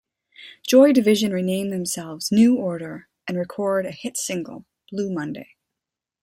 Joy Division rename themselves New Order and record a hit single, "Blue Monday".